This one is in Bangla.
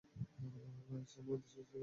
লাঈছের উদ্দেশ্য ছিল ভিন্ন।